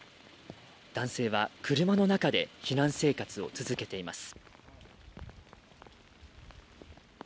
男性は車の中で避難生活を続けています。